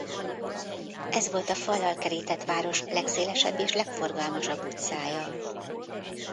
Ez volt a fallal kerített város legszélesebb és legforgalmasabb utcája.